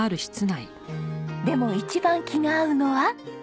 でも一番気が合うのは。